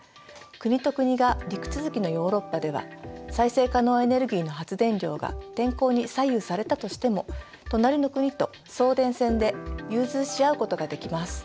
国と国が陸続きのヨーロッパでは再生可能エネルギーの発電量が天候に左右されたとしても隣の国と送電線で融通し合うことができます。